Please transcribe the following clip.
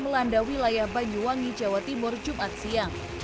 melanda wilayah banyuwangi jawa timur jumat siang